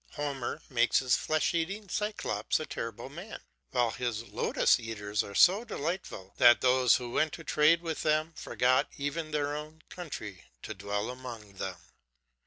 Homer makes his flesh eating Cyclops a terrible man, while his Lotus eaters are so delightful that those who went to trade with them forgot even their own country to dwell among them.